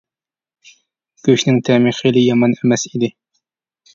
گۆشنىڭ تەمى خېلى يامان ئەمەس ئىدى.